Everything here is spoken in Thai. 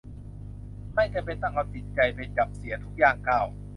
ไม่จำเป็นต้องเอาจิตใจไปจับเสียทุกย่างก้าว